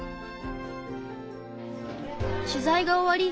取材が終わり